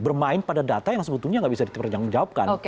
bermain pada data yang sebetulnya nggak bisa diperjangkaukan